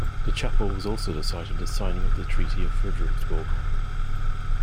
The Chapel was also the site of the signing of the Treaty of Frederiksborg.